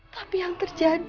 tapi yang terjadi